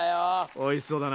おいしそうだな。